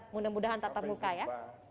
mudah mudahan tatap muka ya